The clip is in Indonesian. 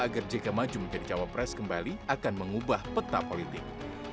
agar jk maju menjadi cawapres kembali akan mengubah peta politik